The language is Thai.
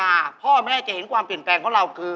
พ่อแม่จะเห็นความเปลี่ยนแปลงของเราคือ